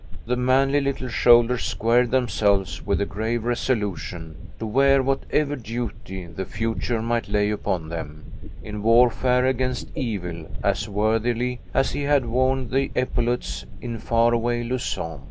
The manly little shoulders squared themselves with a grave resolution to wear whatever duty the future might lay upon them, in warfare against evil, as worthily as he had worn the epaulets in far away Luzon.